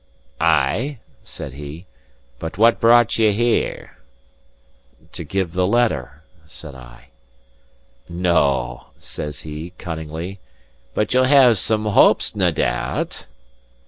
"Ay," said he, "but what brought you here?" "To give the letter," said I. "No," says he, cunningly, "but ye'll have had some hopes, nae doubt?"